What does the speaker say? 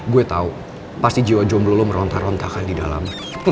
gue tahu pasti jiwa jomblo lo meronta rontakan di dalam